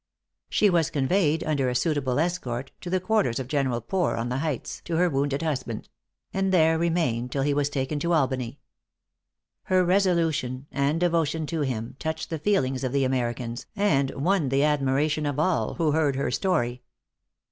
She was conveyed, under a suitable escort, to the quarters of General Poor on the heights, to her wounded husband; and there remained till he was taken to Albany. Her resolution, and devotion to him, touched the feelings of the Americans, and won the admiration of all who heard her story.